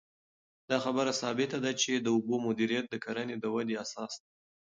دا خبره ثابته ده چې د اوبو مدیریت د کرنې د ودې اساس دی.